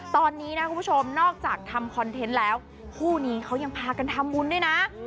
ตอนนี้นะคุณผู้ชมนอกจากทำคอนเทนต์แล้วคู่นี้เขายังพากันทำบุญด้วยนะ